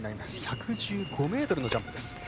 １１５ｍのジャンプです。